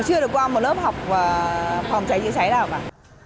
chưa được qua một lớp học phòng cháy chữa cháy nào cả